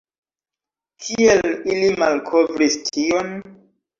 Kiel ili malkovris tion?